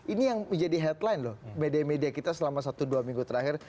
ini yang menjadi headline loh media media kita selama satu dua minggu terakhir